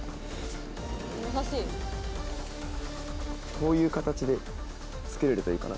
こういう形でつけれるといいかな。